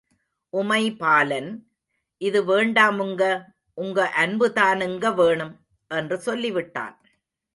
உமைபாலன், இது வேண்டாமுங்க உங்க அன்புதானுங்க வேணும் என்று சொல்லி விட்டான்.